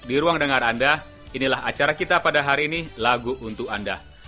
di ruang dengar anda inilah acara kita pada hari ini lagu untuk anda